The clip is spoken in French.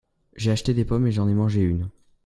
J'ai acheté des pommes et j'en ai mangé une.